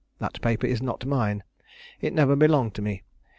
That paper is not mine: it never belonged to me.